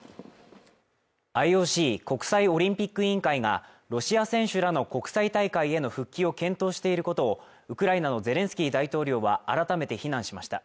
ＩＯＣ＝国際オリンピック委員会がロシア選手らの国際大会への復帰を検討していることをウクライナのゼレンスキー大統領は改めて非難しました